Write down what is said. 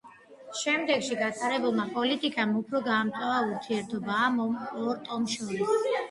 შემდეგში გატარებულმა პოლიტიკამ უფრო გაამწვავა ურთიერთობა ამ ორ ტომს შორის.